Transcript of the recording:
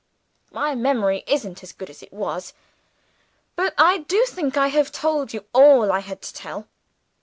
My memory isn't as good as it was; but I do think I have told you all I had to tell."